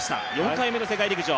４回目の世界陸上。